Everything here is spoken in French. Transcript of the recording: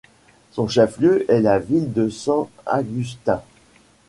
Son chef-lieu est la ville de San Agustín.